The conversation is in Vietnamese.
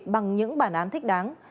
bằng những bản án thích đáng